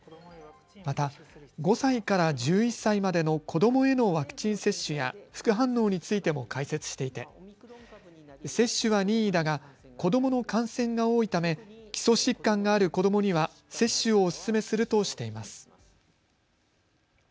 また、５歳から１１歳までの子どもへのワクチン接種や副反応についても解説していて接種は任意だが子どもの感染が多いため基礎疾患がある子どもには接種をお勧めするとしています。